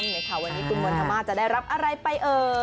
ไหมคะวันนี้คุณมณฑมาสจะได้รับอะไรไปเอ่ย